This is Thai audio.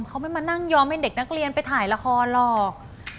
เขาไม่มานั่งยอมให้เด็กนักเรียนไปถ่ายละครหรอก